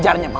jadi di sana